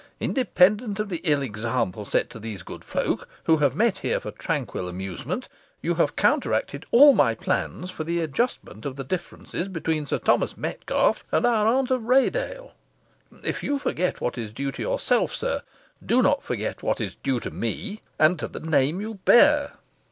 Independently of the ill example set to these good folk, who have met here for tranquil amusement, you have counteracted all my plans for the adjustment of the differences between Sir Thomas Metcalfe and our aunt of Raydale. If you forget what is due to yourself, sir, do not forget what is due to me, and to the name you bear."